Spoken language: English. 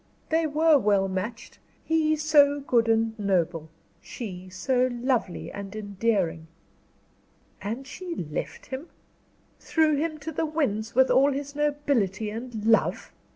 They were well matched; he so good and noble; she, so lovely and endearing." "And she left him threw him to the winds with all his nobility and love!"